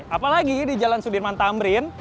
apalagi di jalan sudirman tamrin